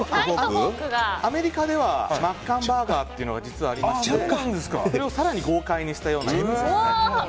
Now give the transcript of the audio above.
アメリカではマッカンバーガーというのが実はありましてそれを更に豪快にしたような。